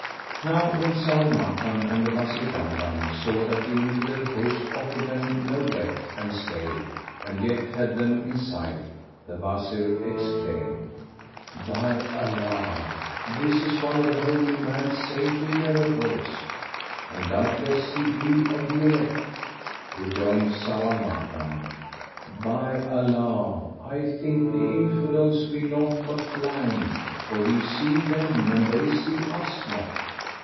Now when Zau al Makan and the Wazir Dandan saw that the Infidel host offered them no let and stay and yet had them in sight, the Wazir exclaimed, "By Allah, this is one of the holy man's saintly miracles! and doubtless he be of the elect." Rejoined Zau al Makan, "By Allah, I think the Infidels be naught but blind, for we see them; and they see us not."